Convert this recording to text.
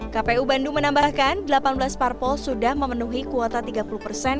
kpu bandung menambahkan delapan belas parpol sudah memenuhi kuota tiga puluh persen